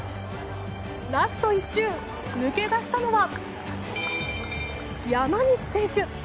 ラスト１周、抜け出したのは山西選手。